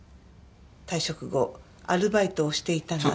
退職後アルバイトをしていたが。